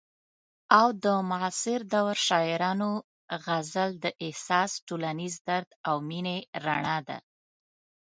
او د معاصر دور شاعرانو غزل د احساس، ټولنیز درد او مینې رڼا ده.